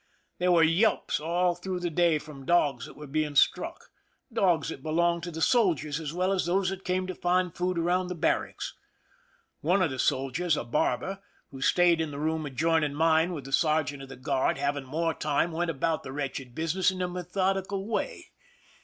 There were yelps all through the day from dogs that were being struck— dogs that belonged to the soldiers as well as those that came to find food around the barracks. One of the soldiers, a barber, who stayed in the room adjoining mine with the sergeant of the guard, having more time, went about the wretched business in a methodical way.